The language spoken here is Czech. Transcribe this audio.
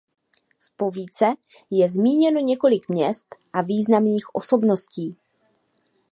V povídce je zmíněno několik měst a významných osobností.